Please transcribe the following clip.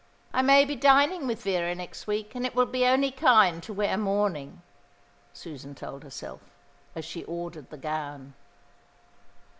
"I may be dining with Vera next week, and it will be only kind to wear mourning," Susan told herself, as she ordered the gown.